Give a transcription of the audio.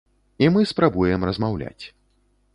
І мы спрабуем размаўляць.